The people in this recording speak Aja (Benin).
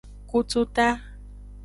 Kututa.